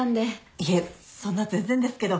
いえそんな全然ですけど